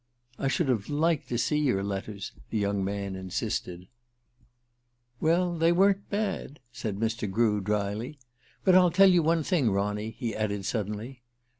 "I should have liked to see your letters," the young man insisted. "Well, they weren't bad," said Mr. Grew drily. "But I'll tell you one thing, Ronny," he added suddenly.